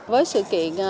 với sự kiện